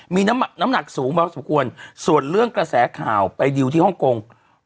มีน้ำหนักสูงพอสมควรส่วนเรื่องกระแสข่าวไปดิวที่ฮ่องกง